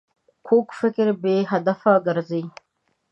کوږ فکر بې هدفه ګرځي